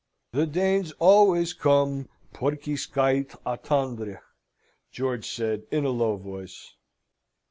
"The Danes always come pour qui scait attendre," George said, in a low voice.